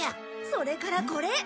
それからこれ！